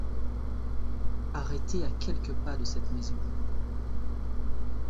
Arrêtée à quelques pas de cette maison.